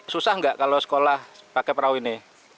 susah nggak kalau sekolah pakai perahu ini